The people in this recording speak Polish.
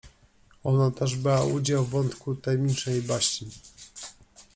Ona też brała udział w wątku tajemniczej baśni.